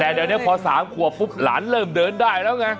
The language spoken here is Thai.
แต่เดี๋ยวนี้พอ๓ขวบปุ๊บหลานเริ่มเดินได้แล้วไง